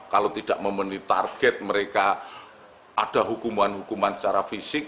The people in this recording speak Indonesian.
kalau tidak memenuhi target mereka ada hukuman hukuman secara fisik